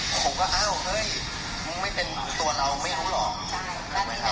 ผมก็ว่าเห้ยมึงไม่เป็นตัวเราไม่รู้หรอก